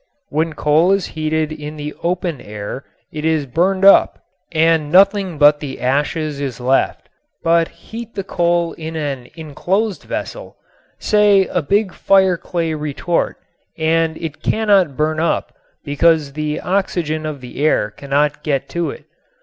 When coal is heated in the open air it is burned up and nothing but the ashes is left. But heat the coal in an enclosed vessel, say a big fireclay retort, and it cannot burn up because the oxygen of the air cannot get to it.